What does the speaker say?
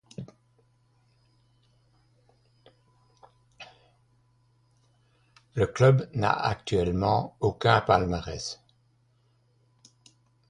Le club n'a actuellement aucun palmarès.